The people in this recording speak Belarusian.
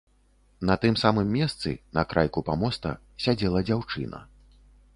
На тым самым месцы, на крайку памоста, сядзела дзяўчына.